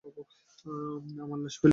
আমার লাশ ফেলে দিতে।